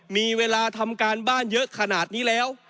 มีเวลาทำการบ้านเยอะขนาดนี้แล้ว